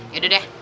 ya udah deh